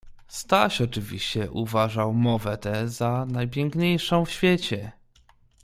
Staś, oczywiście, uważał mowę tę za najpiękniejszą w świecie.